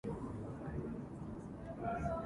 宮城県大衡村